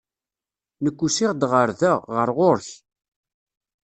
Nekk usiɣ-d ɣer da, ɣer ɣur-k.